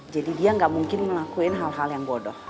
jadi dia gak mungkin melakuin hal hal yang bodoh